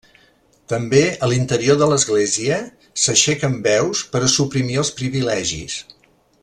També a l'interior de l'església s'aixequen veus per a suprimir els privilegis.